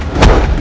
kau tidak tahu